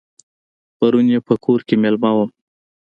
پرون یې په کور کې مېلمه وم.